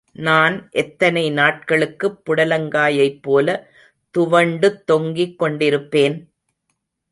நான் எத்தனை நாட்களுக்குப் புடலங்காயைப் போல துவண்டுத் தொங்கிக் கொண்டிருப்பேன்?